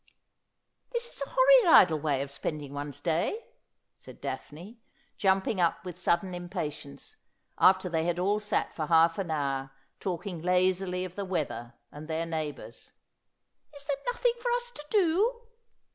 ' This is a horrid idle way of spending one's day,' said Daphne, jumping up with sudden impatience, after they had all sat for half an hour talking lazily of the weather and their neighbours. ' Is there nothing for us to do